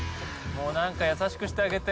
もうなんか優しくしてあげて。